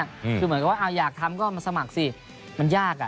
คือเหมือนกับว่าอยากทำก็มาสมัครสิมันยากอ่ะ